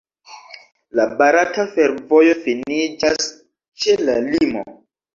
La barata fervojo finiĝas ĉe la limo.